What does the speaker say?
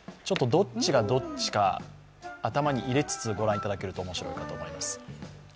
ちょっとどっちがどっちか頭に入れつつ御覧いただけると面白いと思います。